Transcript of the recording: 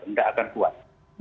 tidak akan kuat